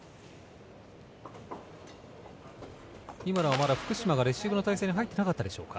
まだ福島がレシーブの体勢に入ってなかったでしょうか。